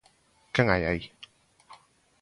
Quen hai aí?